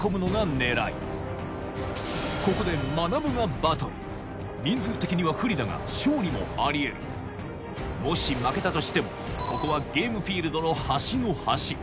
ここでまなぶがバトル人数的には不利だが勝利もあり得るもし負けたとしてもここはゲームフィールドの端の端